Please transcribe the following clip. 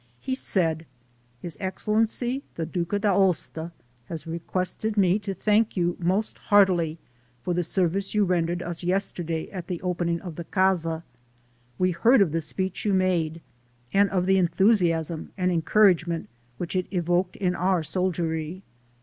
He said: "His Excellency, the Duca d'Aosta, has requested me to thank you most heartily for the service you rendered us yesterday at the opening of the Casa. We heard of the speech you made and of the enthusiasm and encouragement which it evoked in our soldiery.